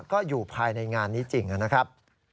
ก็อยู่ภายในงานนี้จริงนะครับ